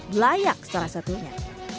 belayak secara satunya